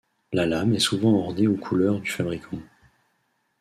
La lame est souvent ornée aux couleurs du fabricant.